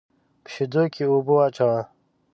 په شېدو کې اوبه واچوه.